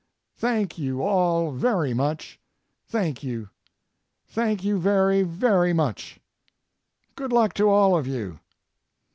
Thank you all very much. Thank you. Thank you very, very much. Good luck to all of you.